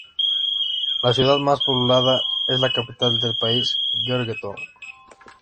La ciudad más poblada es la capital del país, Georgetown.